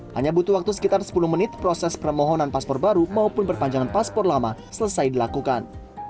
hanya butuh waktu sekitar sepuluh menit proses permohonan paspor baru maupun perpanjangan paspor lama selesai dilakukan